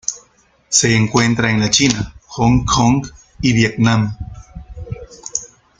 Se encuentra en la China, Hong Kong y Vietnam.